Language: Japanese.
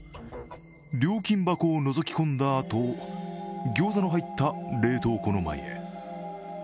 料金箱をのぞき込んだあと餃子の入った冷凍庫の前へ。